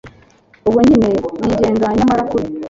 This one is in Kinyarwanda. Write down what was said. ubwo njye nigenga nyamara kuri